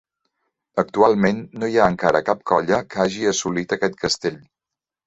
Actualment no hi ha encara cap colla que hagi assolit aquest castell.